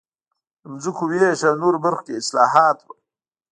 د ځمکو وېش او نورو برخو کې اصلاحات و